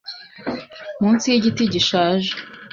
Munsi yigiti gishaje